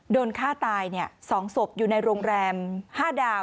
โดนฆ่าตาย๒ศพอยู่ในโรงแรม๕ดาว